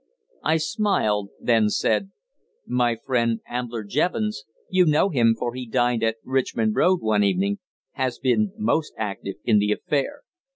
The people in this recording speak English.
I smiled; then said: "My friend, Ambler Jevons you know him, for he dined at Richmond Road one evening has been most active in the affair."